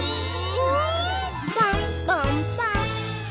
「ぽんぽんぽん」